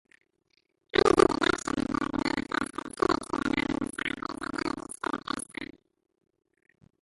Harney's introduction revealed the "Manifesto"s hitherto-anonymous authors' identities for the first time.